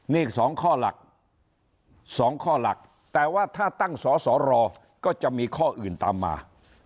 นี่อีก๒ข้อหลัก๒ข้อหลักแต่ว่าถ้าตั้งสอสอรอก็จะมีข้ออื่นตามมา